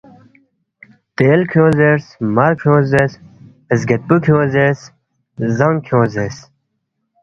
تیل کھیونگ زیرس، مار کھیونگ زیرس، زگیدپُو کھیونگ زیرس، زانگ کھیونگ زیرس